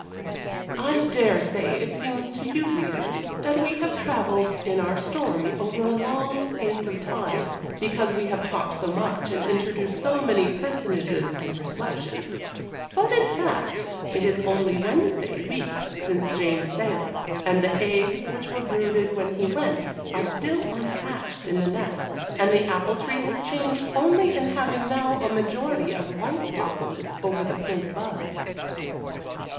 I dare say it seems to you, reader, that we have travelled, in our story, over a long space of time, because we have talked so much, and introduced so many personages and reflections; but, in fact, it is only Wednesday week since James sailed, and the eggs which were brooded when he went are still unhatched in the nest, and the apple tree has changed only in having now a majority of white blossoms over the pink buds.